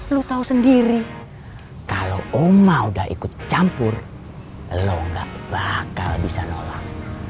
lo tahu sendiri kalau oma udah ikut campur lo gak bakal bisa nolak